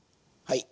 はい。